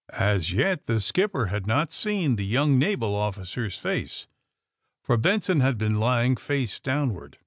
'' As yet the skipper had not seen the young naval officer's face, for Benson had been lying face downward.